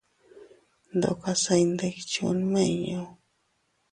Ndokase iyndikchuu nmiñu.